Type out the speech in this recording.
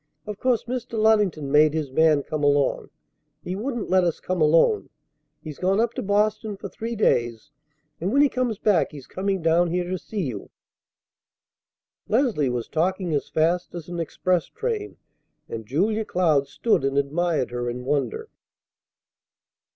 Of course Mr. Luddington made his man come along. He wouldn't let us come alone. He's gone up to Boston for three days; and, when he comes back, he's coming down here to see you." Leslie was talking as fast as an express train, and Julia Cloud stood and admired her in wonder.